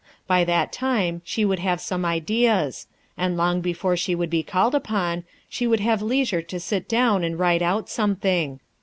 By that time she would have some ideas; and long before she would be called upon, she would have leisure to sit down and write out something.